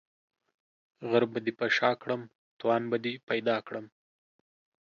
غر به دي په شاکړم ، توان به دي پيدا کړم.